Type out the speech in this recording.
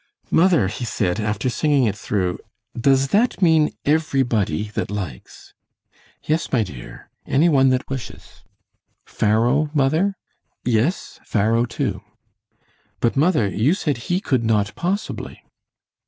"Mother," he said, after singing it through, "does that mean everybody that likes?" "Yes, my dear, any one that wishes." "Pharaoh, mother?" "Yes, Pharaoh, too." "But, mother, you said he could not possibly."